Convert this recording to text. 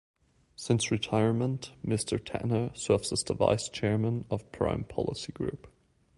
Since retirement, Mr. Tanner serves as the Vice Chairman of Prime Policy Group.